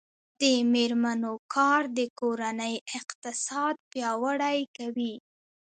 د میرمنو کار د کورنۍ اقتصاد پیاوړی کوي.